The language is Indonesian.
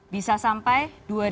bisa sampai dua ribu dua puluh dua